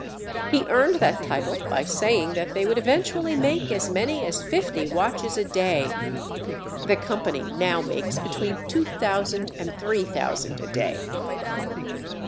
He earned that title by saying that they would eventually make as many as fifty watches a day. The company now makes between two thousand and three thousand a day.